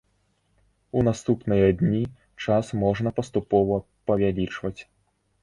У наступныя дні час можна паступова павялічваць.